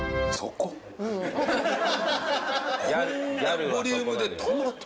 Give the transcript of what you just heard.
こんなボリュームでトマト？